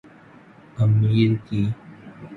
امیر کی